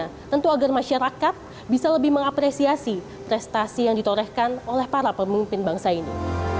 bagaimana tentu agar masyarakat bisa lebih mengapresiasi prestasi yang ditorehkan oleh para pemimpin bangsa ini